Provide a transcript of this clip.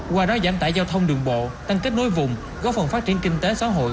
qua đó giảm tải giao thông đường bộ tăng kết nối vùng góp phần phát triển kinh tế xã hội